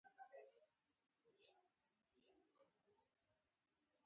د لغمان په الیشنګ کې د څه شي نښې دي؟